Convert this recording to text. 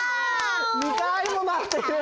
２かいもまわってる。